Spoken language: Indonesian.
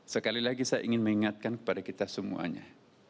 sekali lagi saya ingin mengingatkan kepada kita semuanya